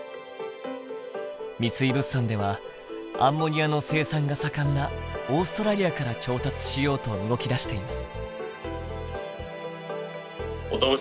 三井物産ではアンモニアの生産が盛んなオーストラリアから調達しようと動きだしています。